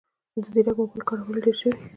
د ځیرک موبایل کارول ډېر شوي